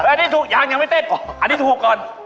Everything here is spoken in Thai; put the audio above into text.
อันนี้ถูกยังไม่เต้น